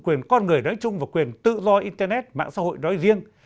quyền con người nói chung và quyền tự do internet mạng xã hội nói riêng